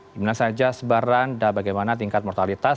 dimana saja sebaran dan bagaimana tingkat mortalitas